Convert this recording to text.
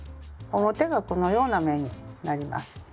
表がこのような目になります。